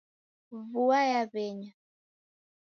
Vua yaw'enya